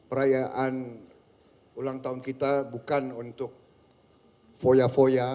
saya berharap bahwa perayaan ulang tahun kita bukan untuk foya foya